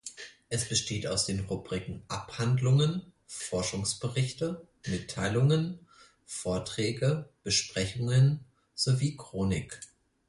Es besteht aus den Rubriken "Abhandlungen," "Forschungsberichte," "Mitteilungen," "Vorträge," "Besprechungen" sowie "Chronik".